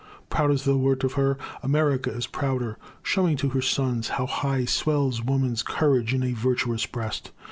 Proud as thou wert of her, America Is prouder, showing to her sons how high Swells woman's courage in a virtuous breast.